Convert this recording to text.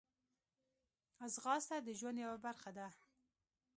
ځغاسته د ژوند یوه برخه ده